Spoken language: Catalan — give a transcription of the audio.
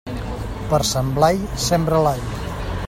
Per Sant Blai, sembra l'all.